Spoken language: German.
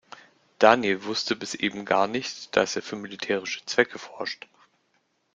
Daniel wusste bis eben gar nicht, dass er für militärische Zwecke forscht.